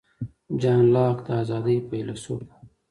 جان لاک د آزادۍ فیلیسوف و.